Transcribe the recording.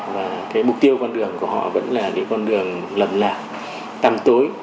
và cái mục tiêu con đường của họ vẫn là cái con đường lầm lạc tăm tối